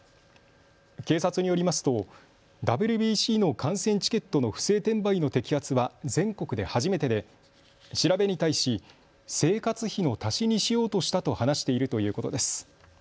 警察によりますとＷＢＣの観戦チケットの不正転売の摘発は全国で初めてで調べに対し生活費の足しにしようとしたと話しているということです。